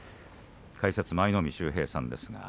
解説は舞の海秀平さんです。